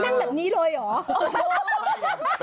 นั่งแบบนี้เลยเหรอ